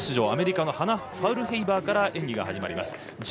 アメリカのハナ・ファウルヘイバーから演技が始まります。